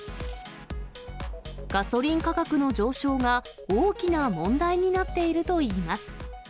ガソリン価格の上昇が、大きな問題になっているといいます。